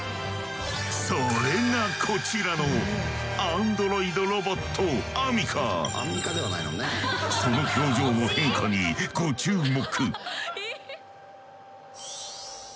それがこちらのその表情の変化にご注目。